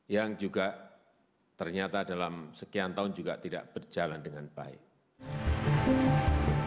yang juga ternyata dalam sekian tahun juga tidak berjalan dengan baik